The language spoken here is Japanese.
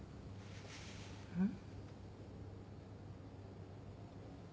うん？